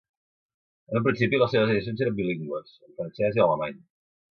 En un principi les seves edicions eren bilingües, en francès i alemany.